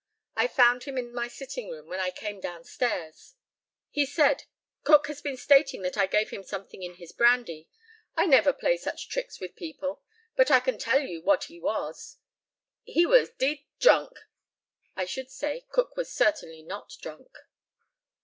I found him in my sitting room when I came down stairs; he said, "Cook has been stating that I gave him something in his brandy. I never play such tricks with people. But I can tell you what he was. He was d d drunk." I should say Cook was certainly not drunk.